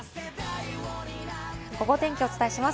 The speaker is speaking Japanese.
ゴゴ天気をお伝えします。